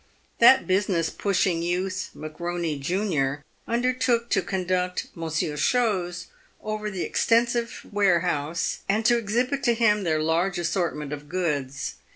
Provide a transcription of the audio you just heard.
That business pushing youth, McKoney, jun., undertook to conduct Monsieur Chose over the ex tensive warehouse, and to exhibit to him their large assortment of goods.